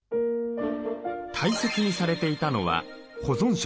大切にされていたのは保存食。